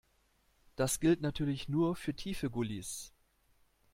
Das gilt natürlich nur für tiefe Gullys.